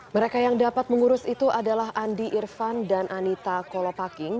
mereka yang dapat mengurus itu adalah andi irfan dan anita kolopaking